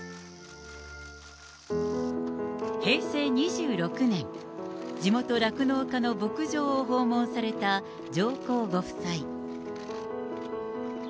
平成２６年、地元、酪農家の牧場を訪問された上皇ご夫妻。